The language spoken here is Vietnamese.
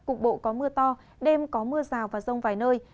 cục bộ có mưa to đêm có mưa rào và rông vài nơi